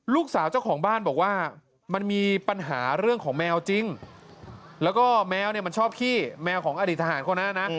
เจ้าของบ้านบอกว่ามันมีปัญหาเรื่องของแมวจริงแล้วก็แมวเนี่ยมันชอบขี้แมวของอดีตทหารคนนั้นนะ